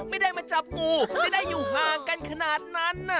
ไม่ได้มาจับปูจะได้อยู่ห่างกันขนาดนั้นนะ